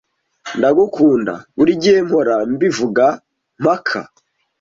Ndagukunda, burigihe mpora mbivuga mpaka